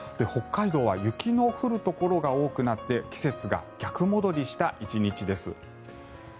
北海道は雪の降るところが多くなって季節が逆戻りした１日です。